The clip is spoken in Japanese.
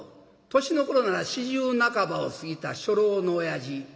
年の頃なら４０半ばを過ぎた初老の親父。